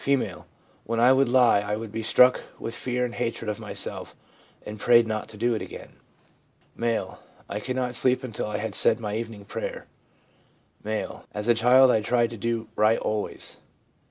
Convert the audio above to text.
'When I would lie I would be struck with fear and hatred of myself, and prayed not to do it again.' M. ' I could not sleep until I had said my evening prayer.' M. 'As a child I tried to do right always.'